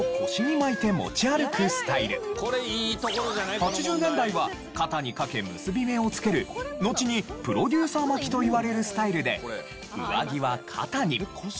８０年代は肩にかけ結び目を作るのちにプロデューサー巻きといわれるスタイルで上着は肩に。